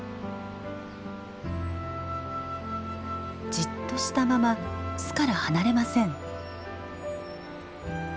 じっとしたまま巣から離れません。